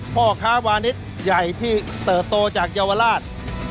พ่อค้าวานิสใหญ่ที่เติบโตจากเยาวราช